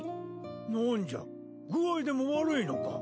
なんじゃ具合でも悪いのか？